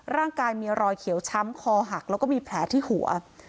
ร่างกายมีรอยเขียวช้ำคอหักแล้วก็มีแผลที่หัว